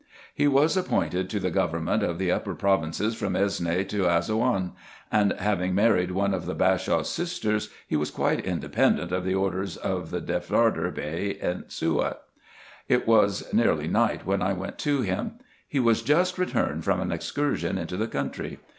He was appointed to the government of the upper provinces, from Esne to Assouan ; and having married one of the Bashaw's sisters, he was quite independent of the orders of the Deftardar Bey at Siout. It was nearly night when I went to him. He was just returned from an excursion into the country.